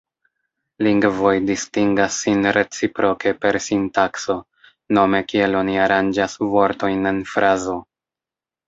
Lingvoj distingas sin reciproke per sintakso, nome kiel oni aranĝas vortojn en frazo.